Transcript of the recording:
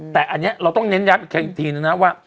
แต่อันนี้เราต้องเน้นย้ำอีกทีนึงนะว่า